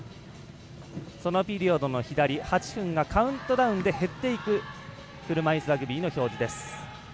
そのピリオドの左、８分がカウントダウンで減っていく車いすラグビーの表示です。